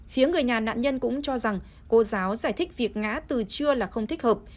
phía người nhà nạn nhân cũng cho rằng cô giáo giải thích việc ngã từ trưa là không thích hợp